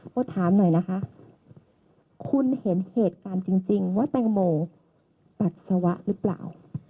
พอถามหน่อยนะคะคุณเห็นเหตุการณ์จริงว่าแตงโมปัสสาวะหรือเปล่า